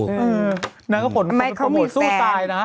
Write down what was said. งั้นแห่งไปโปรโม้ตในห่างสู้ตายนะ